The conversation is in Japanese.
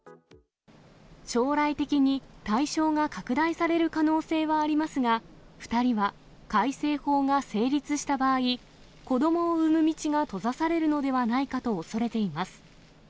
将来的に対象が拡大される可能性はありますが、２人は、改正法が成立した場合、子どもを産む道が閉ざされるのではないかと恐れています。